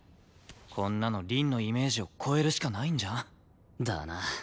こんなの凛のイメージを超えるしかないんじゃん？だな。